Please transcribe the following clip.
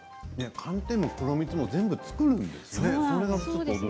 寒天も黒蜜も全部作るんですね。